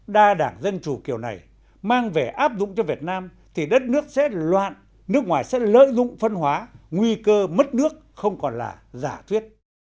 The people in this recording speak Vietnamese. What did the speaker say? đa đảng dân chủ kiểu này mang về áp dụng cho việt nam thì đất nước sẽ loạn nước ngoài sẽ lợi dụng phân hóa nguy cơ mất nước không còn là giả thuyết